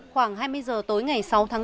khoảng hai mươi h tối ngày sáu tháng bốn